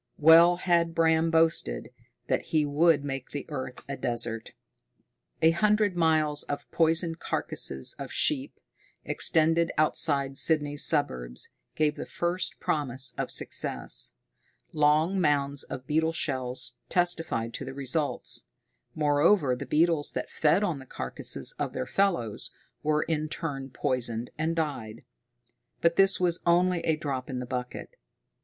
Well had Bram boasted that he would make the earth a desert! A hundred miles of poisoned carcasses of sheep, extended outside Sydney's suburbs, gave the first promise of success. Long mounds of beetle shells testified to the results; moreover, the beetles that fed on the carcasses of their fellows, were in turn poisoned and died. But this was only a drop in the bucket.